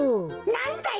なんだよ！